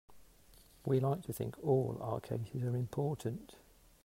We like to think all our cases are important.